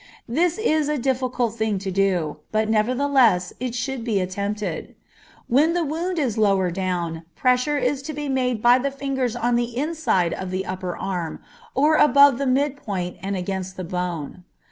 This is a difficult thing to do, but nevertheless it should be attempted. When the wound is lower down, pressure is to be made by the fingers on the inner side of the upper arm, at about the middle point and against the bone.